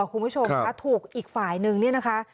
คุณผู้ชมค่ะถูกอีกฝ่ายนึงเนี่ยนะคะ